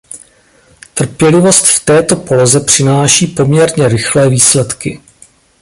Trpělivost v této poloze přináší poměrně rychlé výsledky.